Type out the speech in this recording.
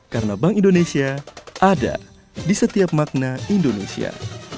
karena bank indonesia ada di setiap makna indonesia